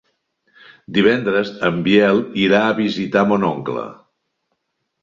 Divendres en Biel irà a visitar mon oncle.